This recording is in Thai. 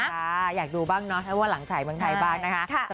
ค่ะอยากดูบ้างเนอะถ้าว่าหลังจ่ายบางทีบ้างนะคะ